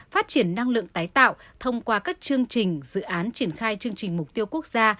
phát triển năng lượng tái tạo thông qua các chương trình dự án triển khai chương trình mục tiêu quốc gia